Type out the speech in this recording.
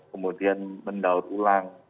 kemudian mendaur ulang